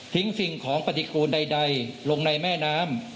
สิ่งของปฏิกูลใดลงในแม่น้ำ